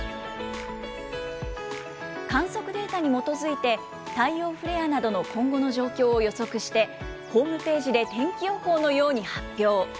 観測データに基づいて、太陽フレアなどの今後の状況を予測して、ホームページで天気予報のように発表。